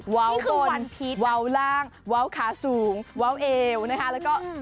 วาวตนวาวร่างวาวขาสูงวาวเอวนะคะแล้วก็วันพีช